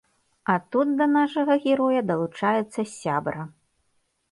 А тут да нашага героя далучаецца сябра.